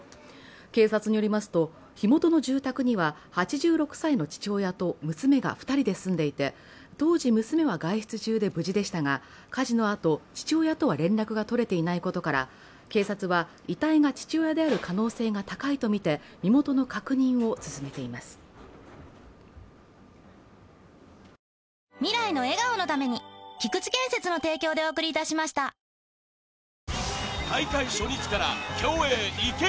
警察によりますと、火元の住宅には８６歳の父親と娘が２人で住んでいて当時、娘は外出中で無事でしたが、火事のあと、父親とは連絡が取れていないことから警察は遺体が父親である可能性が高いとみて洗剤で驚くことなんて